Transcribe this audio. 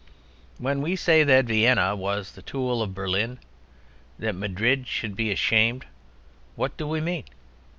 When we say that Vienna was the tool of Berlin, that Madrid should be ashamed, what do we mean?